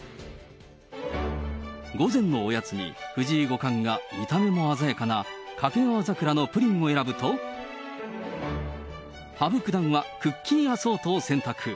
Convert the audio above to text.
午前のおやつに、藤井五冠が見た目も鮮やかな掛川桜のプリンを選ぶと、羽生九段はクッキーアソートを選択。